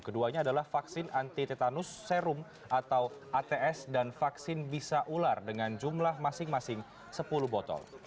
keduanya adalah vaksin anti tetanus serum atau ats dan vaksin bisa ular dengan jumlah masing masing sepuluh botol